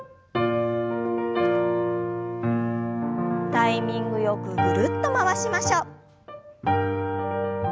タイミングよくぐるっと回しましょう。